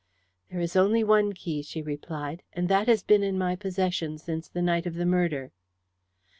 "There is only one key," she replied. "And that has been in my possession since the night of the murder."